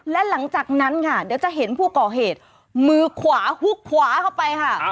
และหลังจากนั้นค่ะเดี๋ยวจะเห็นผู้ก่อเหตุมือขวาฮุกขวาเข้าไปค่ะ